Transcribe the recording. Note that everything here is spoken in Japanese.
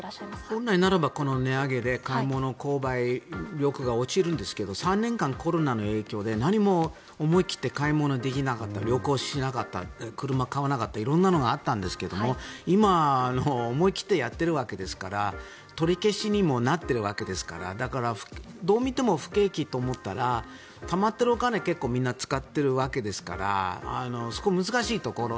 本来ならばこの値上げで購買力が落ちるんですけど３年間、コロナの影響で何も思い切って買い物できなかった旅行しなかった車を買わなかった色んなのがあったんですが今、思い切ってやっているわけですから取り消しにもなっているわけですからだから、どう見ても不景気と思ったらたまっているお金、結構みんな使っているわけですからそこ、難しいところ。